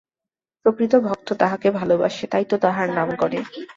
প্রকৃত ভক্ত তাঁহাকে ভালবাসে, তাই তো তাঁহার নাম করে।